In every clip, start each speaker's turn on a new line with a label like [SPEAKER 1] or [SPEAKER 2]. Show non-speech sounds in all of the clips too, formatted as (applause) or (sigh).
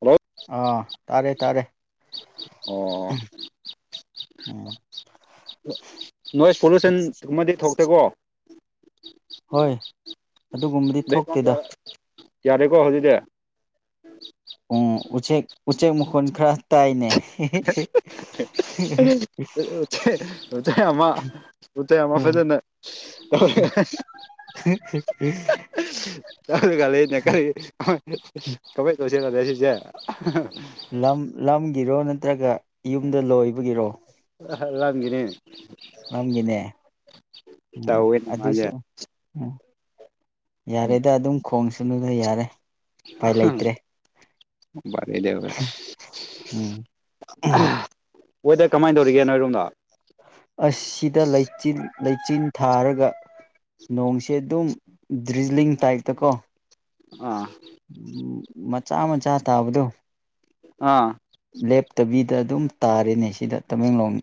[SPEAKER 1] hello
[SPEAKER 2] ꯑꯥ ꯇꯥꯔꯦ ꯇꯥꯔꯦ
[SPEAKER 1] ꯑꯣ
[SPEAKER 2] ꯎꯝ
[SPEAKER 1] ꯅꯣꯏꯁ ꯄꯣꯂꯨꯁꯟ ꯗꯨꯝꯃꯗꯤ ꯊꯣꯛ ꯇꯦꯒꯣ
[SPEAKER 2] ꯍꯣꯏ ꯑꯗꯨꯒꯨꯝꯕꯗꯤ
[SPEAKER 1] ꯕꯦꯛꯒ꯭ꯔꯥꯎꯟ
[SPEAKER 2] ꯊꯣꯛꯇꯦꯗ
[SPEAKER 1] ꯌꯥꯔꯦ ꯌꯥꯔꯦꯀꯣ ꯍꯧꯖꯤꯗꯤ
[SPEAKER 2] ꯎꯪ ꯎꯆꯦꯛ ꯎꯆꯦꯛ ꯃꯈꯣꯟ ꯈꯔ ꯇꯥꯏꯅꯦ
[SPEAKER 1] ꯎꯆꯩ ꯑꯃ ꯎꯆ ꯎꯆꯩ ꯑꯃ ꯐꯖꯅ ꯇꯆ ꯈꯂꯅꯦ ꯀꯔꯤ ꯀꯃ ꯇꯧꯁꯤ (unintelligible) ꯆꯦꯒꯥꯔ ꯁꯤꯖꯦ (unintelligible)
[SPEAKER 2] ꯂꯝ ꯂꯝꯒꯤꯔꯣ ꯅꯠꯇ꯭ꯔꯒ ꯌꯨꯝꯗ ꯂꯣꯏꯕꯒꯤꯔꯣ
[SPEAKER 1] ꯈꯪꯂꯝꯒꯤꯅꯤ
[SPEAKER 2] ꯅꯪꯒꯤꯅꯦ ꯎꯝ
[SPEAKER 1] ꯇꯧꯋꯦꯅꯦ ꯃꯥꯁꯦ
[SPEAKER 2] ꯑꯗꯨꯁꯨ ꯎꯝ ꯌꯥꯔꯦꯗ ꯑꯗꯨꯝ ꯈꯣꯡꯁ ꯑꯗꯨꯅ ꯌꯥꯔꯦ ꯎꯄꯥꯢ ꯂꯩꯇ꯭ꯔꯦ ꯎꯝ
[SPEAKER 1] (unintelligible) ꯋꯦꯗ꯭ꯔ ꯀꯃꯥꯏ ꯇꯧꯔꯤꯒꯦ ꯅꯣꯏ ꯔꯣꯝꯗꯥ
[SPEAKER 2] ꯑꯥꯁꯤꯗ ꯂꯩꯥꯆꯜ ꯂꯩꯆꯤꯟ ꯊꯥꯔꯒ ꯅꯣꯡꯁꯦ ꯑꯗꯨꯝ ꯗ꯭ꯔꯤꯖꯤꯂꯤꯡ ꯇꯥꯏꯞꯇꯀꯣ
[SPEAKER 1] ꯑꯥ
[SPEAKER 2] ꯎ ꯃꯆꯥ- ꯃꯆꯥ ꯇꯥꯕꯗꯣ
[SPEAKER 1] ꯑꯥ
[SPEAKER 2] ꯂꯦꯞꯇꯕꯤꯗ ꯑꯗꯨꯝ ꯇꯥꯔꯦꯅꯦ ꯁꯤꯗ ꯇꯃꯦꯡꯂꯣꯡ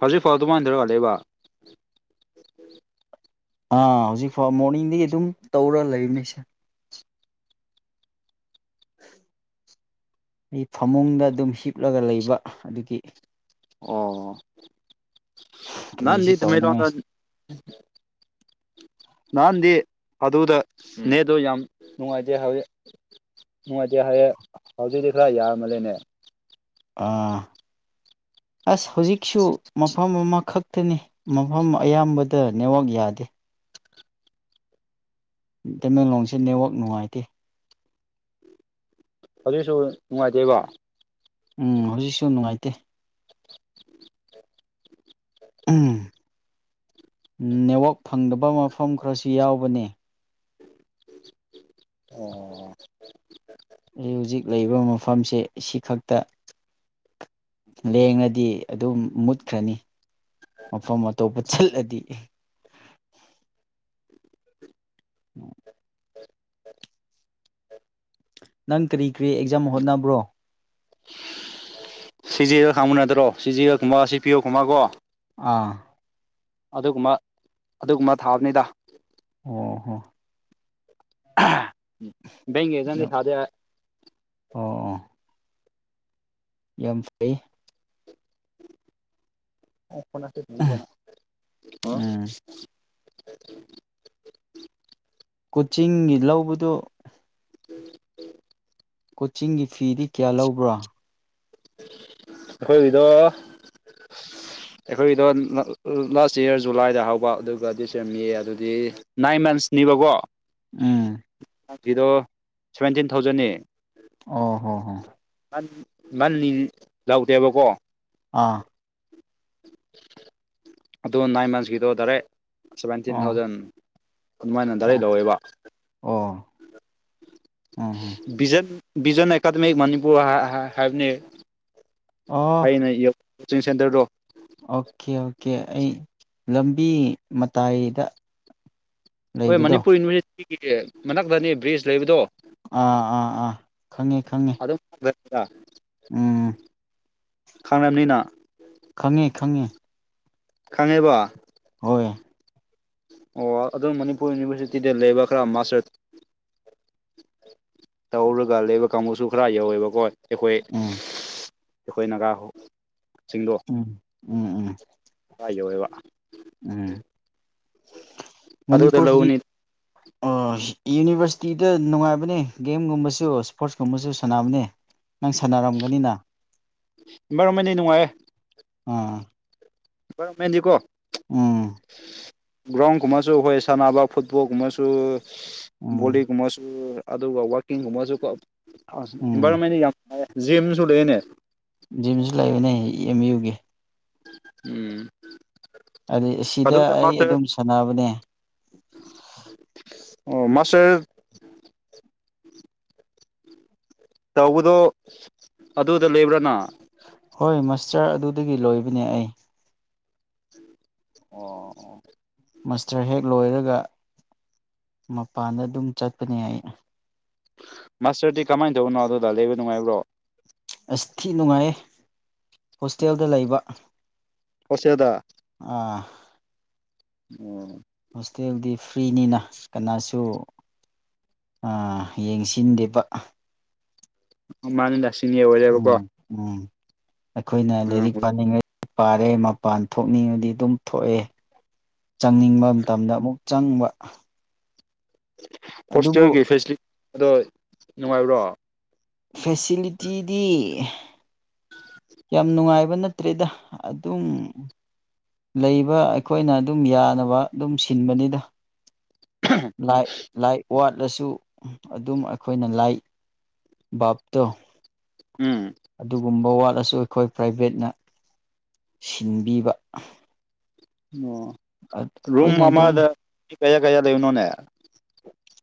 [SPEAKER 1] ꯍꯧꯖꯤꯛꯐꯥꯎ ꯑꯗꯨꯃꯥꯏ ꯊꯧꯔꯒ ꯂꯩꯕ
[SPEAKER 2] ꯑꯥ ꯍꯧꯖꯤꯛ ꯐꯥꯎ ꯃꯣꯔꯅꯤꯡꯗꯒꯤ ꯑꯗꯨꯝ ꯇꯧꯔ ꯂꯩꯕꯅꯦ ꯁꯦ ꯑꯩ ꯐꯃꯨꯡꯗ ꯑꯗꯨꯝ ꯍꯤꯞꯂꯒ ꯂꯩꯕ ꯑꯗꯨꯒꯤ ꯀꯔꯤꯁꯨ ꯇꯧꯅꯤꯡꯉꯥꯏ
[SPEAKER 1] (unintelligible) ꯑꯗꯨꯗ ꯅꯦꯗꯣ ꯌꯥꯝ ꯅꯨꯡꯉꯥꯏꯇꯦ ꯍꯥꯏꯋ ꯅꯨꯡꯉꯥꯏꯇꯦ ꯍꯥꯏꯑꯦ ꯍꯧꯖꯤꯛꯇꯤ ꯈꯔ ꯌꯥꯔꯥꯃꯂꯦꯅꯦ
[SPEAKER 2] ꯑꯥ ꯑꯁ ꯍꯧꯖꯤꯛꯁꯨ ꯃꯐꯝ ꯑꯃꯥꯈꯛꯇꯅꯤ ꯃꯐꯝ ꯑꯌꯥꯝꯕꯗ ꯅꯦꯠꯋꯣꯛ ꯌꯥꯗꯦ ꯇꯃꯦꯡꯂꯣꯡꯁꯦ ꯅꯦꯠꯋꯣꯛ ꯅꯨꯡꯉꯥꯏꯇꯦ
[SPEAKER 1] ꯑꯗꯨꯁꯨ ꯅꯨꯡꯉꯥꯏꯇꯦꯕ
[SPEAKER 2] ꯎꯝ ꯍꯧꯖꯤꯁꯨꯨ ꯅꯨꯡꯉꯥꯏ (unintelligible) ꯎꯝ ꯅꯦꯠꯋꯣꯛ ꯐꯪꯗꯕ ꯃꯐꯝ ꯈꯔꯁꯨ ꯌꯥꯎꯕꯅꯦ
[SPEAKER 1] ꯑꯣ
[SPEAKER 2] ꯍꯧꯖꯤꯛ ꯂꯩꯕ ꯃꯐꯝꯁꯦ ꯑꯁꯤꯈꯛꯇ ꯂꯦꯡꯉꯗꯤ ꯑꯗꯨꯝ ꯃꯨꯠꯈ꯭ꯔꯅꯤ ꯃꯐꯝ ꯑꯇꯣꯞꯄ ꯆꯠꯂꯗꯤ (unintelligible)
[SPEAKER 1] (inaudible)
[SPEAKER 2] ꯅꯪ ꯀꯔꯤ ꯀꯔꯤ ꯑꯦꯛꯖꯥꯝ ꯍꯣꯠꯅꯕ꯭ꯔꯣ
[SPEAKER 1] ꯁꯤ ꯖꯤ ꯑꯦꯜ ꯈꯪꯕꯥ ꯅꯠꯇ꯭ꯔꯣ ꯁꯤ ꯖꯤ ꯑꯦꯜ ꯀꯨꯝꯕ ꯁꯤ ꯄꯤ ꯌꯣ ꯀꯨꯝꯕꯀꯣ
[SPEAKER 2] ꯑꯥ
[SPEAKER 1] ꯑꯗꯨꯒꯨꯝꯕ ꯑꯗꯨꯒꯨꯝꯕ ꯊꯥꯕꯅꯦꯗ
[SPEAKER 2] ꯑꯣ ꯍꯣ
[SPEAKER 1] (unintelligible) ꯕꯦꯏ꯭ꯛꯀꯤ ꯑꯦꯛꯖꯥꯝ ꯗꯤ ꯊꯥꯗꯦ
[SPEAKER 2] ꯑꯣ ꯑꯣ ꯌꯥꯝ ꯐꯩ
[SPEAKER 1] (unintelligible)
[SPEAKER 2] ꯎꯝ
[SPEAKER 1] (unintelligible) (inaudible)
[SPEAKER 2] ꯀꯣꯆꯤꯡꯒꯤ ꯂꯧꯕꯗꯨ
[SPEAKER 1] (inaudible)
[SPEAKER 2] ꯀꯣꯆꯤꯡꯒꯤ ꯐꯤꯗꯤ ꯀꯌꯥ ꯂꯧꯕ꯭ꯔꯥ
[SPEAKER 1] ꯑꯩꯈꯣꯏꯒꯤꯗꯣ ꯑꯩꯈꯣꯏꯒꯤꯗꯣ ꯂꯥꯁ ꯏꯌꯥꯔ ꯖꯨꯂꯥꯏꯗ ꯍꯧꯕ ꯑꯗꯨꯒ ꯗꯤꯁ ꯃꯦ ꯑꯗꯨꯗꯤ ꯅꯥꯏꯁꯟ ꯃꯟꯁꯅꯦꯕꯀꯣ
[SPEAKER 2] ꯎꯝ
[SPEAKER 1] ꯗꯣ ꯁꯚꯦꯟꯇꯤꯟ ꯊꯥꯎꯖꯟꯅꯦ
[SPEAKER 2] ꯑꯣ ꯍꯣ ꯍꯣ
[SPEAKER 1] ꯂꯧꯥꯎꯗꯦꯕꯀꯣ
[SPEAKER 2] ꯑꯥ
[SPEAKER 1] ꯑꯗꯣ ꯅꯥꯏꯟ ꯃꯟꯁ ꯀꯤꯗꯣ ꯗꯥꯏꯔꯦꯛ ꯁꯚꯦꯟꯇꯤꯟ
[SPEAKER 2] ꯑꯣ
[SPEAKER 1] ꯊꯥꯎꯖꯟ ꯑꯗꯨꯃꯥꯏꯅ ꯗꯥꯔꯦꯛ
[SPEAKER 2] ꯑꯣ
[SPEAKER 1] ꯂꯧꯋꯦꯕ
[SPEAKER 2] ꯑꯣ ꯎꯝ ꯎꯝ
[SPEAKER 1] ꯚꯤꯠꯟ ꯕꯤꯖꯟ ꯑꯦꯀꯥꯗꯦꯃꯤ ꯃꯅꯤꯄꯨꯔ ꯍꯥꯏꯕꯅꯤ
[SPEAKER 2] ꯑꯣ
[SPEAKER 1] ꯑꯩꯅ (unintelligible) ꯀꯣꯆꯤꯡ ꯁꯦꯟꯇꯔꯗꯣ
[SPEAKER 2] ꯑꯣꯀꯦ ꯑꯣ ꯑꯣꯀꯦ ꯑꯩ ꯂꯝꯕꯤ ꯃꯇꯥꯏꯗ
[SPEAKER 1] ꯍꯣꯏ
[SPEAKER 2] ꯂꯩꯕꯗꯣ
[SPEAKER 1] ꯃꯅꯤꯄꯨꯔ ꯌꯨꯅꯤꯚꯔꯁꯤꯇꯤ ꯁꯤꯁꯦ ꯃꯅꯥꯛꯇꯅꯤ ꯕ꯭ꯔꯤꯖ ꯂꯩꯕꯗꯣ
[SPEAKER 2] ꯑꯥ ꯑꯥ ꯑꯥ ꯈꯪꯉꯤ ꯈꯪꯉꯤ
[SPEAKER 1] (unintelligible)
[SPEAKER 2] ꯎꯝ
[SPEAKER 1] ꯈꯪꯉꯅꯤꯅ
[SPEAKER 2] ꯈꯪꯉꯦ ꯈꯪꯉꯦ
[SPEAKER 1] ꯈꯪꯉꯦꯕ
[SPEAKER 2] ꯍꯣꯏ
[SPEAKER 1] ꯑꯣ ꯑꯗꯨꯝ ꯃꯅꯤꯄꯨꯔ ꯌꯨꯅꯤꯚꯔꯁꯤꯇꯤꯗ ꯂꯩꯕ ꯈꯔ ꯃꯥꯁꯇꯔ ꯇꯧꯔꯒ ꯂꯩꯕ ꯀꯥꯡꯕꯨꯁꯨ ꯈꯔ ꯌꯧꯋꯦꯕꯀꯣ ꯑꯩꯈꯣꯏ
[SPEAKER 2] ꯎꯝ
[SPEAKER 1] ꯑꯩꯈꯣꯏ ꯅꯥꯒꯥ ꯍꯨ
[SPEAKER 2] ꯎꯝ ꯎꯝ ꯎꯝ
[SPEAKER 1] (unintelligible)
[SPEAKER 2] ꯎꯝ
[SPEAKER 1] ꯑꯗꯨꯗ
[SPEAKER 2] ꯃꯅꯤꯄꯨꯔꯁꯤ
[SPEAKER 1] ꯂꯧꯕꯅꯤ
[SPEAKER 2] ꯌꯨꯅꯤꯚꯔꯁꯤꯇꯤꯗ ꯅꯨꯡꯉꯥꯏꯕꯅꯦ ꯒꯦꯝꯒꯨꯝꯕꯁꯨ ꯏꯁꯄꯣꯔꯠꯁꯀꯨꯝꯕꯁꯨ ꯁꯥꯟꯅꯕꯅꯦ ꯅꯪ ꯁꯥꯟꯅꯔꯝꯒꯅꯤꯅ
[SPEAKER 1] ꯥꯏꯟꯚꯥꯏꯔꯣꯃꯦꯟꯗꯤ ꯅꯨꯡꯉꯥꯏꯑꯦ
[SPEAKER 2] ꯑꯥ
[SPEAKER 1] ꯏꯟꯚꯥꯏꯔꯣꯃꯦꯟꯠ ꯗꯤ ꯀꯣ
[SPEAKER 2] ꯎꯝ
[SPEAKER 1] ꯒ꯭ꯔꯥꯎꯟꯒꯨꯝꯕꯁꯨ ꯑꯩꯈꯣꯏ ꯁꯥꯟꯅꯕ ꯐꯨꯠꯕꯣꯜꯒꯨꯝꯕꯁꯨ
[SPEAKER 2] ꯎꯝ
[SPEAKER 1] ꯕꯣꯜꯂꯤꯒꯨꯝꯕꯁꯨ ꯑꯗꯨꯒ ꯋꯥꯛꯀꯤꯡꯒꯨꯝꯕꯁꯨꯀꯣ ꯑ
[SPEAKER 2] ꯎꯝ
[SPEAKER 1] ꯏꯟꯚꯥꯏꯔꯣꯟꯃꯦꯟꯠ ꯗꯤ ꯌꯥꯝ ꯅꯨꯡꯉꯥꯏꯌꯦ ꯖꯤꯝꯁꯨ ꯂꯩꯌꯦꯅꯦ
[SPEAKER 2] ꯖꯤꯝꯁꯨ ꯂꯩꯕꯅꯦ ꯑꯦꯝ ꯏꯌꯨꯒꯤ
[SPEAKER 1] ꯎꯝ
[SPEAKER 2] ꯑꯗꯨ ꯑꯁꯤꯗ
[SPEAKER 1] ꯑꯗꯨꯗ
[SPEAKER 2] ꯑꯩ
[SPEAKER 1] ꯃꯥꯁꯇꯔ
[SPEAKER 2] ꯑꯗꯨꯝ ꯁꯥꯟꯅꯕꯅꯦ
[SPEAKER 1] ꯑꯣ ꯃꯁꯦ ꯇꯧꯕꯗꯣ ꯑꯗꯨꯗ ꯂꯩꯕ꯭ꯔꯥꯅ
[SPEAKER 2] ꯍꯣꯏ ꯃ꯭ꯁꯇꯔ ꯑꯗꯨꯗꯒꯤ ꯂꯣꯏꯕꯅꯦ ꯑꯩ
[SPEAKER 1] ꯑꯣ
[SPEAKER 2] ꯃꯥ꯭ꯁꯇꯔ ꯍꯦꯛ ꯂꯣꯏꯔꯒ ꯃꯄꯥꯟꯗ ꯑꯗꯨꯝ ꯆꯠꯄꯅꯦ ꯑꯩ
[SPEAKER 1] ꯃꯥ꯭ꯁꯇꯔꯗꯤ ꯀꯃꯥꯏꯅ ꯇꯧꯕꯅꯣ ꯑꯗꯨꯗ ꯂꯩꯕ ꯅꯨꯡꯉꯥꯏꯕ꯭ꯔꯣ
[SPEAKER 2] ꯑꯁ ꯊꯤ ꯅꯨꯡꯉꯥꯏꯌꯦ ꯍꯣꯁꯇꯦꯜꯗ ꯂꯩꯕ
[SPEAKER 1] ꯍꯣꯁꯇꯦꯜꯗ
[SPEAKER 2] ꯑꯥ
[SPEAKER 1] ꯎꯝ
[SPEAKER 2] ꯍꯣꯁꯇꯦꯜꯗꯤ ꯐ꯭ꯔꯤꯅꯤꯅ ꯀꯅꯥꯁꯨ ꯌꯦꯡꯁꯤꯟꯗꯦꯕ
[SPEAKER 1] ꯎꯝ ꯃꯥꯔꯤꯗꯁ
[SPEAKER 2] ꯎꯝ ꯎꯝ ꯑꯩꯈꯣꯏꯅ ꯂꯥꯏꯔꯤꯛ ꯄꯥꯅꯤꯡꯉꯩ ꯄꯥꯔꯦ ꯃꯄꯥꯟ ꯊꯣꯛꯅꯤꯡꯉꯥꯗꯤ ꯑꯗꯨꯝ ꯊꯣꯛꯑꯦ ꯆꯪꯅꯤꯡꯕ ꯃꯇꯝꯗ ꯑꯃꯨꯛ ꯆꯪꯕ ꯑꯗꯨꯕꯨ
[SPEAKER 1] ꯍꯣꯁꯇꯦꯜꯒꯤ ꯐꯤꯁꯇꯤ ꯑꯗꯣ ꯅꯨꯡꯉꯥꯏꯕ꯭ꯔꯣ
[SPEAKER 2] ꯐꯦꯁꯤꯂꯤꯇꯤꯗꯤ ꯌꯥꯝ ꯅꯨꯡꯉꯥꯏꯕ ꯅꯠꯇ꯭ꯔꯦꯗ ꯑꯗꯨꯝ ꯂꯩꯕ ꯑꯩꯈꯣꯏꯅ ꯑꯗꯨꯝ ꯌꯥꯅꯕ ꯑꯗꯨꯝ ꯁꯤꯟꯕꯅꯤꯗ ꯂꯥꯏ ꯂꯥꯏ ꯋꯥꯠꯂꯁꯨ ꯑꯗꯨꯝ ꯑꯩꯈꯣꯏꯅ ꯂꯥꯏ ꯚ꯭ꯔꯕꯇꯣ
[SPEAKER 1] ꯎꯝ
[SPEAKER 2] ꯑꯗꯨ ꯨꯒꯨꯝꯕ ꯋꯥꯠꯂꯁꯨ ꯑꯩꯈꯣꯏ ꯄ꯭ꯔꯥꯏꯚꯦꯠꯅ ꯁꯤꯟꯕꯤꯕ
[SPEAKER 1] ꯑꯣ ꯔꯨꯝ
[SPEAKER 2] ꯑꯩꯈꯣꯏꯅ ꯑꯗꯨꯝ
[SPEAKER 1] ꯑꯃꯗ ꯀꯩꯌꯥ ꯀꯌꯥ ꯂꯩꯕꯅꯣꯅꯦ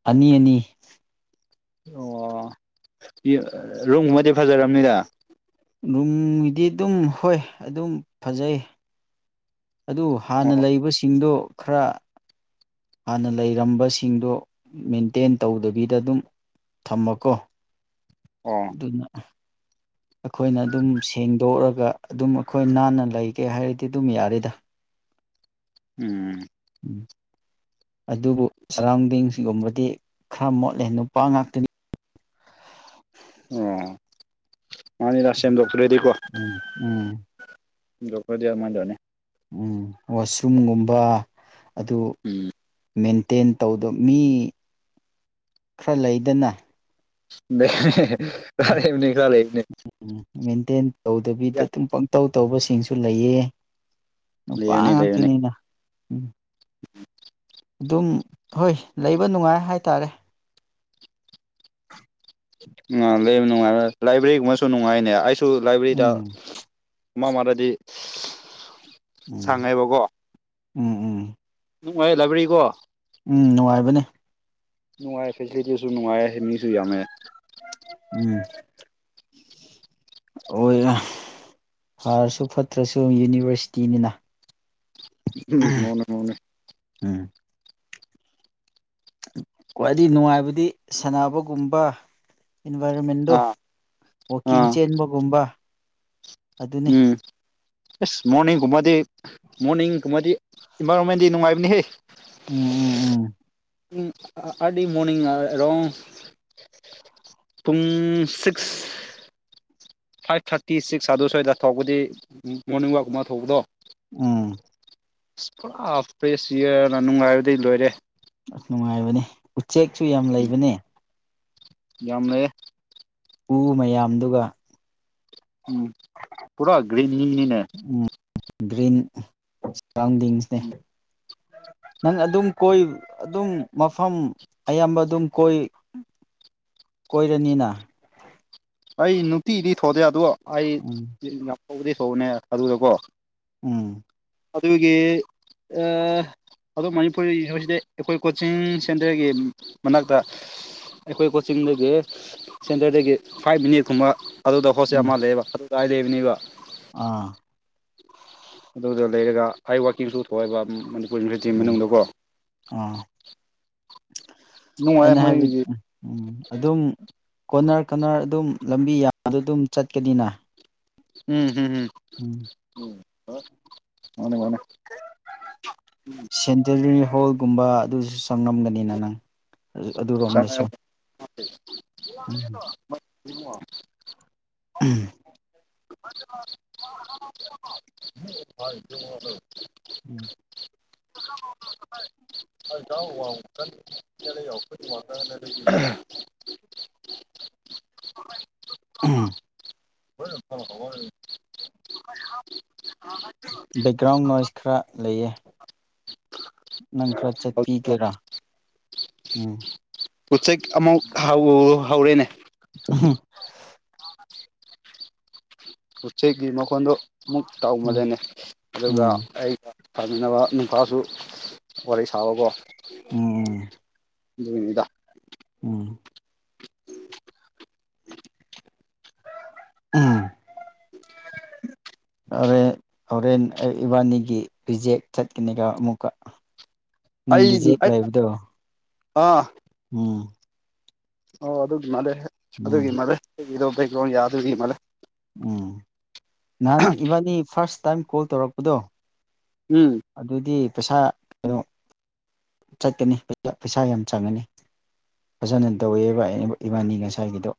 [SPEAKER 2] ꯑꯅꯤ ꯑꯅꯤ
[SPEAKER 1] ꯑꯣ ꯔꯨꯝꯉꯩꯗꯤ ꯐꯖꯔꯝꯅꯤꯗ
[SPEAKER 2] ꯔꯨꯝꯒꯤꯗꯤ ꯑꯗꯨꯝ ꯍꯣꯏ ꯑꯗꯨꯝ ꯐꯖꯩ ꯑꯗꯨ ꯍꯥꯟꯅ
[SPEAKER 1] ꯑꯣ
[SPEAKER 2] ꯂꯩꯕꯁꯤꯡꯗꯣ ꯈꯔ ꯍꯥꯟꯅ ꯂꯩꯔꯝꯕꯁꯤꯡꯗꯣ ꯃꯦꯟꯇꯦꯟ ꯇꯧꯗꯕꯤꯗ ꯑꯗꯨꯝ ꯊꯝꯕꯀꯣ
[SPEAKER 1] ꯑꯣ
[SPEAKER 2] ꯑꯗꯨꯅ ꯑꯩꯈꯣꯏꯅ ꯑꯗꯨꯝ ꯁꯦꯡꯗꯣꯛ ꯑꯒ ꯑꯗꯨꯝ ꯑꯩꯈꯣꯏ ꯅꯥꯟꯅ ꯂꯩꯒꯦ ꯍꯥꯏꯔꯗꯤ ꯑꯗꯨꯝ ꯌꯥꯔꯦꯗ
[SPEAKER 1] ꯎꯝ
[SPEAKER 2] ꯎꯝ ꯑꯗꯨꯕꯨ ꯁꯥꯔꯔꯥ꯭ꯎꯟꯗꯤꯡꯁꯤꯒꯨꯝꯕꯗꯤ ꯈꯔ ꯃꯣꯠꯂꯦ ꯅꯨꯄꯥ ꯉꯥꯛꯇꯅꯤ
[SPEAKER 1] ꯑꯣ ꯑꯅꯤꯔꯛ ꯁꯦꯡꯗꯣꯛꯇ꯭ꯔꯥꯗꯤꯀꯣ
[SPEAKER 2] ꯎꯝ ꯎꯝ
[SPEAKER 1] ꯁꯦꯡꯗꯣꯛꯇ꯭ꯔꯥꯗꯤ ꯑꯗꯨꯃꯥꯏ ꯇꯧꯅꯦ
[SPEAKER 2] ꯎꯝ ꯋꯥꯁꯔꯨꯝꯒꯨꯝꯕ ꯑꯗꯨ
[SPEAKER 1] ꯎꯝ
[SPEAKER 2] ꯃꯦꯟ ꯇꯦꯟ ꯇꯧꯗꯣ ꯃꯤ ꯈꯔ ꯂꯩꯗꯅ
[SPEAKER 1] ꯀꯥꯂꯦꯅꯤ ꯈ ꯂꯩꯝꯅꯤ
[SPEAKER 2] ꯇꯦꯟ ꯇꯧꯗꯕꯤꯗ ꯑꯗꯨꯝ ꯄꯪꯇꯧ ꯇꯧꯕꯁꯤꯡꯁꯨ ꯂꯩꯌꯦ
[SPEAKER 1] ꯂꯩꯕꯅꯤ ꯂꯩꯕꯅꯤ
[SPEAKER 2] ꯅꯨꯄꯥꯥꯉꯥꯛꯇꯅꯤꯅ ꯎꯝ ꯑꯗꯨꯝ ꯍꯣꯏ ꯂꯩꯕ ꯅꯨꯡꯉꯥꯏ ꯍꯥꯏꯇꯥꯔꯦ (unintelligible)
[SPEAKER 1] ꯑ ꯂꯩꯕ ꯅꯨꯡꯉꯥꯏꯔ ꯂꯥꯏꯕ꯭ꯔꯦꯔꯤꯒꯨꯝꯕꯁꯨ ꯅꯨꯡꯉꯥꯏꯅꯦ ꯑꯩꯁꯨ ꯁꯨ ꯂꯥꯏꯕ꯭ꯔꯦꯔꯤꯗ
[SPEAKER 2] ꯎꯝ
[SPEAKER 1] ꯃꯥ ꯃꯥꯔꯗꯤ
[SPEAKER 2] ꯎꯝ
[SPEAKER 1] ꯁꯥꯉꯥꯏꯕꯒꯣ
[SPEAKER 2] ꯎꯝ ꯎꯝ
[SPEAKER 1] ꯅꯨꯡꯉꯥꯏ ꯂꯥꯏꯕꯔꯤꯀꯣ
[SPEAKER 2] ꯎꯝ ꯅꯨꯡꯉꯥꯏꯕꯅꯦ
[SPEAKER 1] ꯅꯨꯡꯉꯥꯏ ꯐꯦꯁꯤꯂꯤꯇꯤꯁꯨ ꯅꯨꯡꯉꯥꯏ ꯃꯤꯁꯨ ꯌꯥꯝꯃꯦ
[SPEAKER 2] ꯎꯝ ꯑꯣꯏ ꯐꯔꯁꯨ ꯐꯠꯇ꯭ꯔꯁꯨ ꯌꯨꯅꯤꯚꯔꯁꯤꯇꯤꯅꯤꯅ
[SPEAKER 1] ꯎꯝ ꯃꯅꯦ ꯃꯅꯦ
[SPEAKER 2] ꯎꯝ ꯈ꯭ꯋꯥꯏꯗꯒꯤ ꯅꯨꯡꯉꯥꯏꯕꯗꯤ ꯁꯥꯟꯅꯕꯒꯨꯝꯕ ꯏꯟꯚꯥꯏꯔꯣꯟꯃꯦꯟꯗꯨ
[SPEAKER 1] ꯑꯥ
[SPEAKER 2] ꯋꯥꯀꯤꯡ
[SPEAKER 1] ꯑꯥ
[SPEAKER 2] ꯆꯦꯟꯕꯒꯨꯝꯕ ꯑꯗꯨꯅꯤ
[SPEAKER 1] ꯑꯦꯁ ꯃꯣꯔꯅꯤꯡꯒꯨꯝꯕꯗꯤ ꯃꯣꯔꯅꯤꯡꯒꯨꯝꯕꯗꯤ ꯏꯟꯚꯥꯏꯔꯣꯟꯃꯦꯟꯗꯤ ꯅꯨꯡꯉꯥꯏꯕꯅꯤ ꯍꯦ
[SPEAKER 2] ꯎꯝ ꯎꯝ ꯎꯝ
[SPEAKER 1] ꯑꯥꯜꯂꯤ ꯃꯣꯔꯅꯤꯡ ꯑꯦꯔꯣꯡ ꯄꯨꯡ ꯁꯤꯛꯁ ꯐꯥꯏꯚ ꯊꯥꯔꯇꯤ ꯁꯤꯛꯁ ꯑꯗꯨ ꯁꯋꯥꯏꯗ ꯇꯧꯕꯗꯤ ꯃꯣꯔꯅꯤꯡ ꯋꯥꯛꯀꯨꯝ ꯑꯃ ꯇꯧꯕꯗꯣ
[SPEAKER 2] ꯎꯝ
[SPEAKER 1] ꯑꯁ ꯄꯨꯔꯥ ꯐ꯭ꯔꯦꯁ ꯏꯌꯥꯔꯅ ꯅꯨꯡꯉꯥꯏꯕꯗꯤ ꯂꯣꯏꯔꯦ
[SPEAKER 2] ꯑꯁ ꯅꯨꯡꯉꯥꯏꯕꯅꯦ ꯆꯦꯛꯁꯨ ꯌꯥꯝ ꯂꯩꯕꯅꯦ
[SPEAKER 1] ꯌꯥꯝ ꯂꯩꯌꯦ
[SPEAKER 2] ꯎ ꯃꯌꯥꯝꯗꯨꯒ
[SPEAKER 1] ꯎꯝ ꯄꯨꯔꯥ ꯒ꯭ꯔꯤꯅꯤꯅꯤꯅꯦ
[SPEAKER 2] ꯒ꯭ꯔꯤꯟ ꯒꯔꯥ꯭ꯑꯟꯗꯤꯡꯁꯅꯦ ꯅꯪ ꯑꯗꯨꯝ ꯀꯣꯏ ꯑꯗꯨꯝ ꯃꯐꯝ ꯑꯌꯥꯝꯕ ꯑꯗꯨꯝ ꯀꯣꯏ ꯀꯣꯏꯔꯅꯤꯅ
[SPEAKER 1] ꯑꯩ ꯅꯨꯡꯇꯤꯗꯤ ꯊꯣꯗꯦ ꯑꯗꯣ ꯑꯩ
[SPEAKER 2] ꯎꯝ
[SPEAKER 1] ꯍꯧꯕꯗꯤ ꯍꯧꯕꯅꯦ ꯑꯗꯨꯗ ꯀꯣ
[SPEAKER 2] ꯎꯝ
[SPEAKER 1] ꯑꯗꯨꯒꯤ ꯑꯥ ꯑꯗꯣ ꯃꯅꯤꯄꯨꯔꯤꯒꯤ ꯑꯣꯏꯖꯅꯦ ꯑꯩꯈꯣꯏ ꯀꯣꯆꯤꯡ ꯁꯦꯟꯇꯔꯒꯤ ꯃꯅꯥꯛꯇ ꯑꯩꯈꯣꯏ ꯀꯣꯆꯤꯡꯗꯒꯤ ꯁꯦꯟꯇꯔꯗꯒꯤ ꯐꯥꯏꯚ ꯃꯤꯅꯤꯠ ꯀꯨꯝꯕ ꯑꯗꯨꯗ ꯍꯣꯏꯇꯦꯟ
[SPEAKER 2] ꯎꯝ
[SPEAKER 1] ꯑꯃ ꯂꯩꯌꯦꯕ ꯀꯥꯂꯦꯟꯅꯤꯕ
[SPEAKER 2] ꯑꯥ
[SPEAKER 1] ꯑꯗꯨꯗ ꯂꯩꯔꯒ ꯍꯥꯏ ꯋꯥꯛꯀꯤꯡꯁꯨ ꯊꯣꯏꯑꯕ ꯄꯨꯟꯈ꯭ꯔꯗꯤ
[SPEAKER 2] ꯎꯝ
[SPEAKER 1] ꯃꯅꯨꯡꯗꯀꯣ
[SPEAKER 2] ꯑꯥ
[SPEAKER 1] ꯅꯨꯡꯉꯥꯏ
[SPEAKER 2] ꯑꯩꯅ ꯍꯥꯏꯕ
[SPEAKER 1] ꯃꯣꯏꯒꯤ
[SPEAKER 2] ꯎꯝ ꯎꯝ ꯑꯗꯨꯝ ꯀꯣꯅꯔ ꯀꯣꯅꯔ ꯑꯗꯨꯝ ꯂꯝꯕꯤ ꯌꯥꯝꯕꯗ ꯑꯗꯨꯝ ꯆꯠꯀꯅꯤꯅ
[SPEAKER 1] ꯎꯝ ꯍꯝ ꯍꯝ
[SPEAKER 2] ꯎꯝ
[SPEAKER 1] (unintelligible) ꯃꯥꯟꯅꯦ ꯃꯥꯟꯅꯦ
[SPEAKER 2] (unintelligible) ꯍꯣꯜꯒꯨꯝꯕ ꯑꯗꯨꯁꯨ ꯆꯪꯉꯝꯒꯅꯤꯅ ꯅꯪ ꯑꯗꯨꯔꯣꯝꯗꯁꯨ
[SPEAKER 1] (inaudible)
[SPEAKER 2] ꯎꯝ
[SPEAKER 1] (unintelligible)
[SPEAKER 2] ꯎꯝ
[SPEAKER 1] (inaudible)
[SPEAKER 2] ꯎꯝ
[SPEAKER 1] (unintelligible)
[SPEAKER 2] ꯎꯝ
[SPEAKER 1] (unintelligible) (inaudible)
[SPEAKER 2] ꯕꯦꯛꯒ꯭ꯔꯥꯎꯟ ꯅꯣꯏꯁ ꯈꯔ ꯂꯩꯌꯦ ꯅꯪ ꯈꯔ ꯆꯠꯄꯤꯒꯦꯔꯥ ꯎꯝ
[SPEAKER 1] ꯎꯆꯦꯛ ꯑꯃꯨꯛ ꯍꯧ ꯍꯧꯔꯦꯅꯦ
[SPEAKER 2] (unintelligible)
[SPEAKER 1] ꯎꯆꯦꯛꯒꯤ ꯃꯈꯣꯟꯗꯣ ꯑꯃꯨꯛ
[SPEAKER 2] ꯎꯝ
[SPEAKER 1] ꯇꯧꯕꯗꯅꯦ ꯑꯗꯨꯒ
[SPEAKER 2] ꯎꯝ
[SPEAKER 1] ꯑꯩꯩꯅ ꯁꯥꯃꯤꯟꯅꯕ ꯅꯨꯄꯥꯗꯨ ꯋꯥꯔꯤ ꯁꯥꯑꯣꯀꯣ
[SPEAKER 2] ꯎꯝ
[SPEAKER 1] (inaudible) ꯑꯗꯨꯒꯤꯅꯤꯗ
[SPEAKER 2] ꯎꯝ ꯎꯝ ꯍꯣꯔꯦ ꯍꯣꯔꯦꯟ ꯑꯩ ꯏꯕꯥꯅꯤꯒꯤ ꯔꯤꯖꯦꯛ ꯆꯠꯀꯅꯤꯀꯣ ꯑꯃꯨꯛꯀꯥ
[SPEAKER 1] ꯑꯩ
[SPEAKER 2] ꯅꯪꯗꯤ ꯖꯦꯛ
[SPEAKER 1] ꯑꯩ
[SPEAKER 2] ꯂꯩꯕꯗꯣ
[SPEAKER 1] ꯑꯥ
[SPEAKER 2] ꯎꯝ
[SPEAKER 1] ꯑꯣ ꯑꯗꯨꯒꯤ ꯃꯥꯜꯂꯦ
[SPEAKER 2] ꯎꯝ
[SPEAKER 1] ꯑꯗꯨꯒꯤ ꯃꯥꯜꯂꯦ ꯑꯩꯒꯤꯗꯣ ꯕꯦꯛꯒꯔꯥ꯭ꯎꯟ ꯌꯗꯕꯒꯤ ꯃꯜꯂꯦ
[SPEAKER 2] ꯅꯥꯟ ꯏꯕꯥꯟꯅꯤ ꯐꯔꯥꯁ ꯇꯥꯏꯝ ꯀꯣꯜ ꯇꯧꯔꯛꯄꯗꯣ ꯑꯗꯨꯗꯤ ꯄꯩꯁꯥ ꯑꯗꯨꯝ ꯆꯠꯀꯅꯤ ꯄꯩꯁꯥ ꯌꯥꯝ ꯆꯪꯉꯅꯤ ꯐꯖꯅ ꯇꯧꯋꯦꯕ ꯏꯕꯥꯟꯅꯤ ꯉꯁꯥꯏꯒꯤꯗꯣ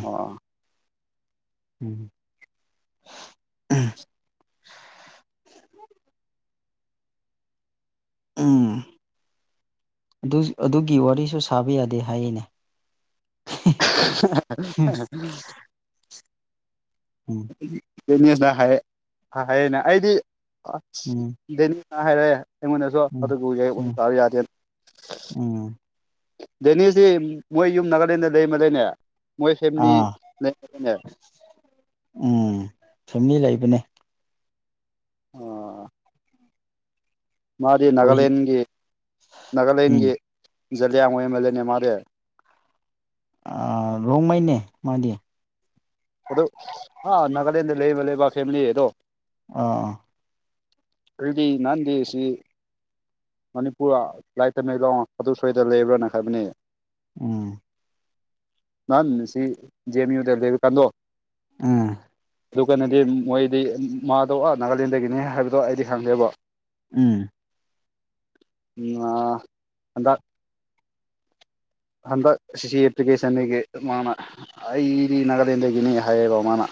[SPEAKER 1] ꯑꯣ
[SPEAKER 2] ꯎꯝ ꯎꯝ ꯑꯗꯨ ꯑꯗꯨꯒꯤ ꯋꯥꯔꯤꯁꯨ ꯁꯥꯕ ꯌꯥꯗꯦ ꯍꯥꯏꯌꯦꯅꯦ
[SPEAKER 1] (unintelligible)
[SPEAKER 2] ꯎꯝ
[SPEAKER 1] ꯇꯦꯅꯤꯁꯅ ꯍꯥꯏꯌꯦ ꯍꯥꯏꯔꯛꯏꯅꯦ ꯑꯩꯗꯤ ꯑꯁ
[SPEAKER 2] ꯎꯝ
[SPEAKER 1] ꯗꯦꯅꯤ ꯑ ꯍꯥꯏꯔꯛꯑꯦ ꯑꯩꯉꯣꯟꯗꯁꯨ
[SPEAKER 2] ꯎꯝ
[SPEAKER 1] ꯑꯗꯨꯕꯨ
[SPEAKER 2] ꯎꯝ
[SPEAKER 1] ꯇꯥꯕ ꯌꯥꯗꯦ
[SPEAKER 2] ꯎꯝ
[SPEAKER 1] ꯗꯦꯅꯤꯁꯇꯤ ꯃꯣꯏ ꯌꯨꯝ ꯅꯔꯛ ꯂꯩꯅꯦ ꯂꯩ ꯂꯩꯅꯦ ꯃꯣꯏ ꯐꯦꯃꯤꯂꯤ
[SPEAKER 2] ꯑꯥ
[SPEAKER 1] ꯂꯩꯅꯦ
[SPEAKER 2] ꯑꯅꯦ
[SPEAKER 1] ꯑꯣ ꯃꯥꯗꯤ
[SPEAKER 2] ꯑꯩꯈꯣꯏ
[SPEAKER 1] ꯅꯥꯒꯥꯂꯦꯟꯒꯤ
[SPEAKER 2] ꯎꯝ
[SPEAKER 1] ꯅꯥꯒꯥꯂꯦꯟꯒꯤ ꯖꯂꯤꯌꯥꯝ ꯋꯦꯝꯂꯦꯅꯦ ꯃꯣꯢ ꯕꯦ
[SPEAKER 2] ꯑ ꯔꯣꯡꯃꯩꯅꯦ ꯃꯥꯗꯤ
[SPEAKER 1] ꯑꯗꯨ ꯍꯥ ꯅꯥꯒꯥꯂꯦꯟꯗ ꯂꯩꯕ ꯂꯩꯕ ꯐꯦꯃꯤꯂꯤ ꯑꯗꯣ
[SPEAKER 2] ꯑꯥ ꯑꯥ
[SPEAKER 1] ꯑꯩꯗꯤ ꯅꯍꯥꯟꯗꯤ ꯑꯁꯤ ꯃꯅꯤꯄꯨꯔ ꯂꯥꯏꯇꯃꯦꯂꯣ ꯑꯗꯨ ꯁ꯭ꯋꯥꯏꯗ ꯂꯩꯕ꯭ꯔꯥꯅ ꯍꯥꯏꯕꯅꯤ
[SPEAKER 2] ꯎꯝ
[SPEAKER 1] ꯅꯍꯟ ꯑꯁꯤ ꯖꯦꯟ ꯌꯨꯗꯂꯩꯕ ꯀꯥꯟꯗꯣ
[SPEAKER 2] ꯎꯝ
[SPEAKER 1] ꯑꯗꯨ ꯀꯥꯟꯗꯤ ꯃꯣꯏꯗꯤ ꯃꯥꯗꯣ ꯑꯥ ꯅꯥꯒꯥꯂꯦꯟꯗꯒꯤꯅꯦ ꯍꯥꯏꯕꯗꯣ ꯑꯩꯗꯤ ꯈꯪꯗꯦꯕ
[SPEAKER 2] ꯎꯝ
[SPEAKER 1] ꯥꯑꯥ ꯑꯥꯗ ꯍꯟꯗꯛ ꯁꯤꯁꯤ ꯑꯦꯄ꯭ꯂꯤꯀꯦꯁꯟꯗꯒꯤ ꯃꯥꯅ ꯑꯩꯗꯤ ꯅꯥꯒꯥꯂꯦꯟꯗꯒꯤꯅꯤ ꯍꯥꯏꯌꯦꯕꯥ ꯃꯥꯅ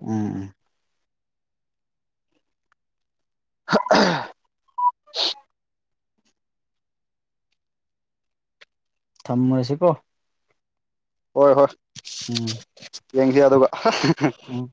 [SPEAKER 2] ꯎꯝ ꯎꯝ
[SPEAKER 1] (unintelligible)
[SPEAKER 2] ꯊꯝꯃꯥꯁꯤ ꯀꯣ
[SPEAKER 1] ꯍꯣꯏ ꯍꯣꯏ ꯌꯦꯡꯁꯤ ꯑꯗꯨꯒ
[SPEAKER 2] ꯎꯝ